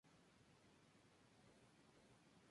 Slough ha sido sujeto de muchas críticas.